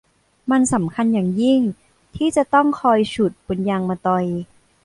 มันสำคัญอย่างยิ่งที่จะต้องคอยฉุดบนยางมะตอย